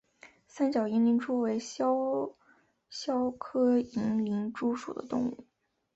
三角银鳞蛛为肖鞘科银鳞蛛属的动物。